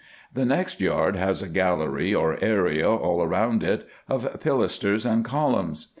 The next yard has a gallery, or area, all round it, of pilasters and columns.